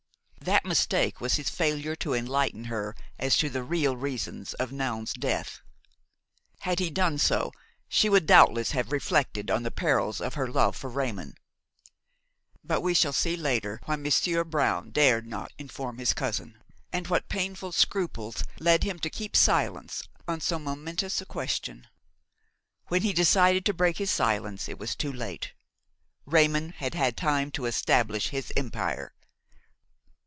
That mistake was his failure to enlighten her as to the real reasons of Noun's death. Had he done so she would doubtless have reflected on the perils of her love for Raymon; but we shall see later why Monsieur Brown dared not inform his cousin and what painful scruples led him to keep silence on so momentous a question. When he decided to break his silence it was too late; Raymon had had time to establish his empire.